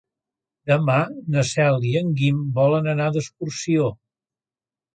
Demà na Cel i en Guim volen anar d'excursió.